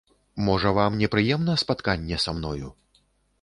Можа, вам непрыемна спатканне са мною?